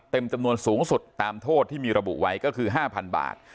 จำนวนสูงสุดตามโทษที่มีระบุไว้ก็คือ๕๐๐บาท